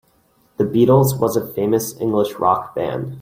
The Beatles was a famous English rock band.